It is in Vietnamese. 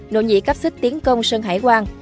nội nhị cáp xích tiến công sơn hải quang